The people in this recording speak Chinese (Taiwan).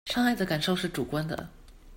傷害的感受是主觀的